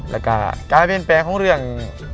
และก็การเปลี่ยนแปลงของเรื่อง